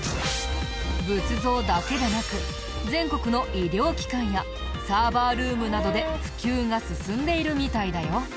仏像だけでなく全国の医療機関やサーバールームなどで普及が進んでいるみたいだよ。